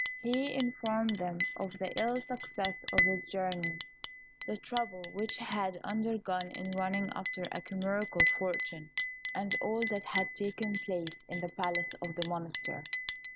He informed them of the ill success of his journey, the trouble which he had undergone in running after a chimerical fortune, and all that had taken place in the palace of the Monster.